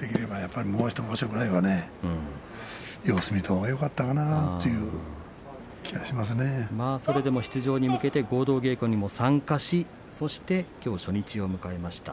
できればもう１場所ぐらいは様子見たほうがそれでも出場に向けて合同稽古に参加しそして、きょう初日を迎えました。